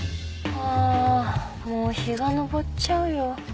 ああもう日が昇っちゃうよ。